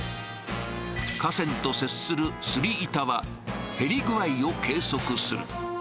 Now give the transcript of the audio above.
架線と接する擦り板は減り具合を計測する。